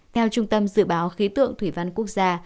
theo trung tâm dự báo khí tượng thủy văn quốc gia